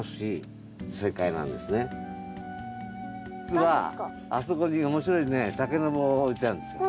実はあそこに面白いね竹の棒を置いてあるんですよ。